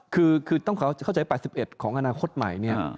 คือต้องเข้าใจ๘๑ของอนาคตใหม่เนี่ย